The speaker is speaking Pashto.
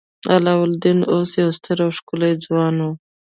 علاوالدین اوس یو ستر او ښکلی ځوان و.